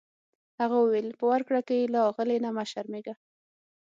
هغه وویل په ورکړه کې یې له اغلې نه مه شرمیږه.